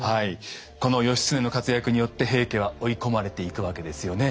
この義経の活躍によって平家は追い込まれていくわけですよね。